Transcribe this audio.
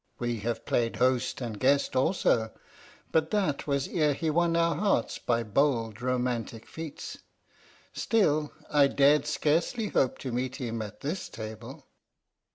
"We have played host and guest also: but that was ere he won our hearts by bold, romantic feats. Still, I dared scarcely hope to meet him at this table."